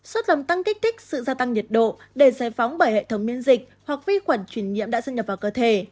sốt làm tăng kích thích sự gia tăng nhiệt độ để giải phóng bởi hệ thống miễn dịch hoặc vi khuẩn chuyển nhiễm đã xâm nhập vào cơ thể